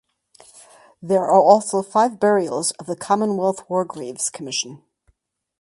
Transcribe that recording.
There are also five burials of the Commonwealth War Graves Commission.